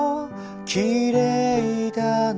「きれいだな」